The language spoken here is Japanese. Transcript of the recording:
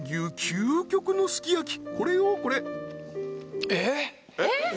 究極のすき焼きこれよこれえっ？